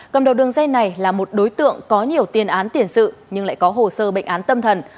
cầm đầu đường dây này là một đối tượng có nhiều tiền án tiền sự nhưng lại có hồ sơ bệnh án tâm thần